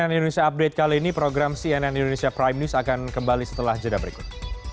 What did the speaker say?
dan cnn indonesia update kali ini program cnn indonesia prime news akan kembali setelah jeda berikut